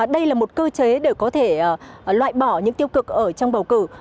đây là một cơ chế để có thể loại bỏ những tiêu cực ở trong bầu cử